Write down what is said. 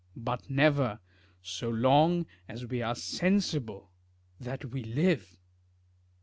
But never, so long as we are sensible that we live.